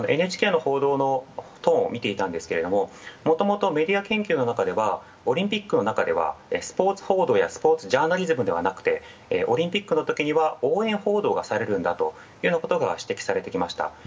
ＮＨＫの報道のトーンを見ていたんですけども、もともとメディア研究の中ではオリンピックの中ではスポーツ報道やスポーツジャーナリズムではなくて、オリンピックのときには応援報道がされるんだということが指摘されていました。